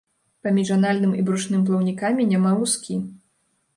Паміж анальным і брушным плаўнікамі няма лускі.